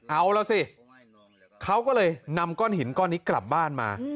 เอาล่ะสิเขาก็เลยนำก้อนหินก้อนนี้กลับบ้านมา